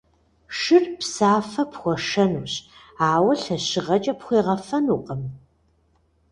Шыр псафэ пхуэшэнущ, ауэ лъэщыгъэкӏэ пхуегъэфэнукъым.